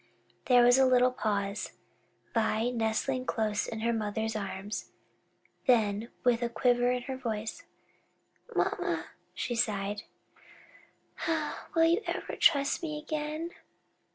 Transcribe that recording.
'" There was a little pause, Vi nestling close in her mother's arms; then with a quiver in her voice, "Mamma," she sighed, "will you ever trust me again?"